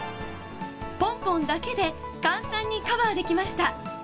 ポンポンだけで簡単にカバーできました。